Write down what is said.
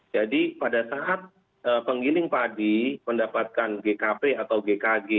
jadi pada saat penggiling padi mendapatkan gkp atau gkp